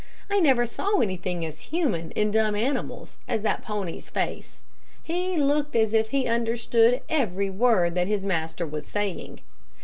I never saw anything as human in dumb animals as that pony's face. He looked as if he understood every word that his master was saying.